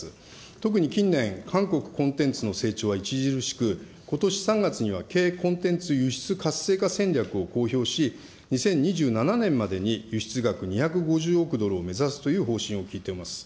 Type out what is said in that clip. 特に近年、韓国コンテンツの成長は著しく、ことし３月には、Ｋコンテンツ輸出活性化戦略を公表し、２０２７年までに輸出額２５０億ドルを目指すという方針を聞いています。